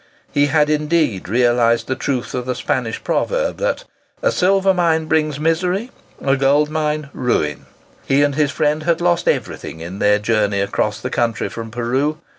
He had indeed realised the truth of the Spanish proverb, that "a silver mine brings misery, a gold mine ruin." He and his friend had lost everything in their journey across the country from Peru.